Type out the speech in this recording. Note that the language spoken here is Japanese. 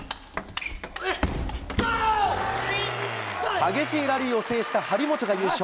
激しいラリーを制した張本が優勝。